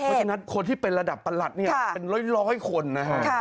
เพราะฉะนั้นคนที่เป็นระดับประหลัดเนี่ยเป็นร้อยคนนะฮะ